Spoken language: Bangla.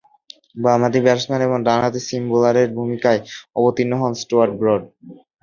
বামহাতি ব্যাটসম্যান এবং ডানহাতি সিম বোলারের ভূমিকায় অবতীর্ণ হন স্টুয়ার্ট ব্রড।